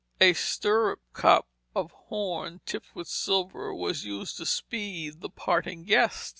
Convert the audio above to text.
A stirrup cup of horn, tipped with silver, was used to "speed the parting guest."